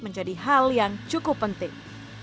menjadi hal yang cukup penting